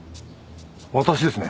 私ですね。